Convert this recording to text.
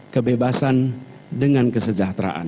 kebebasan dengan kesejahteraan